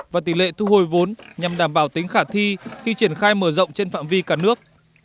và tỷ lệ thu hồi vốn nhằm đảm bảo tính khả thi khi triển khai mở rộng trên phạm vi cả nước